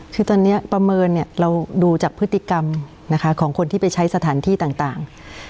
คือตอนนี้ประเมินเนี่ยเราดูจากพฤติกรรมนะคะของคนที่ไปใช้สถานที่ต่าง